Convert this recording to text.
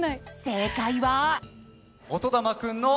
正解は。